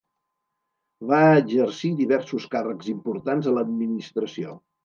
Va exercir diversos càrrecs importants a l'administració.